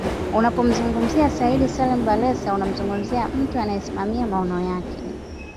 Unapomzungumzia Said Salim Bakhresa unamzungumzia mtu anayesimamia maono yake